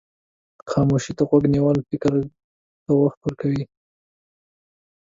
خاموشي ته غوږ نیول فکر ته وخت ورکوي.